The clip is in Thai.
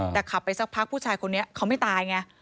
แต่ขับไปสักพักผู้ชายคนนี้เขาไม่ตายไง